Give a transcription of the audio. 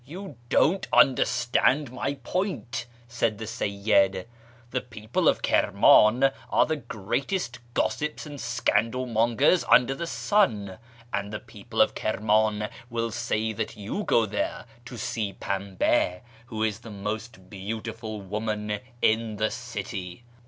" You don't understand my point," said the Seyyid. " The people of Kirman are the greatest gossips and scandal mongers under the sun ; and the people of Kirman will say that you go there to see Pamba, who is the most beautiful woman in the city."